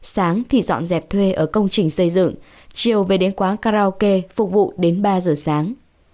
sáng thì dọn dẹp thuê ở công trình xây dựng chiều về đến quán karaoke phục vụ đến ba giờ sáng